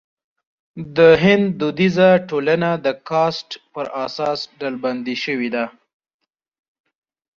د هند دودیزه ټولنه د کاسټ پر اساس ډلبندي شوې.